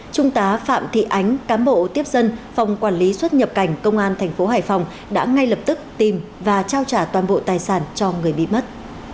trung tá phạm thị ánh cám bộ tiếp dân phòng quản lý xuất nhập cảnh công an thành phố hải phòng đã ngay lập tức tìm và trao trả toàn bộ tài sản cho người bị mất